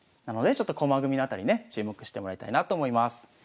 なのでちょっと駒組みのあたりね注目してもらいたいなと思います。